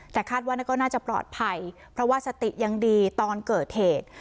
แต่คาดว่าก็น่าจะปลอดภัยเพราะว่าสติยังดีตอนเกิดเหตุ